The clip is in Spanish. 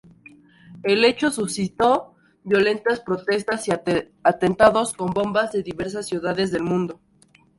El hecho suscitó violentas protestas y atentados con bombas en diversas ciudades del mundo.